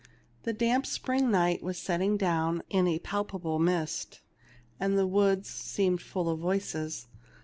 The damp spring night was settling down in a palpable mist, and the woods seemed full of voices.